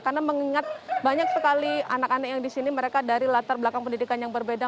karena mengingat banyak sekali anak anak yang di sini mereka dari latar belakang pendidikan yang berbeda